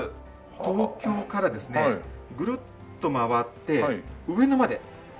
東京からですねぐるっと回って上野まで。